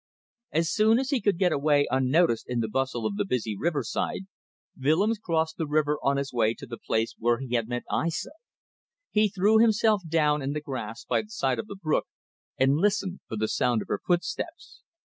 As soon as he could get away unnoticed in the bustle of the busy riverside, Willems crossed the river on his way to the place where he had met Aissa. He threw himself down in the grass by the side of the brook and listened for the sound of her footsteps.